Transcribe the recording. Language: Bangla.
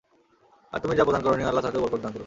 আর তুমি যা প্রদান করনি আল্লাহ তাতেও বরকত দান করুন।